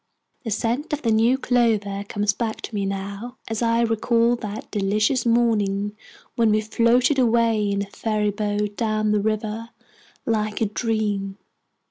The scent of the new clover comes back to me now, as I recall that delicious morning when we floated away in a fairy boat down a river like a dream!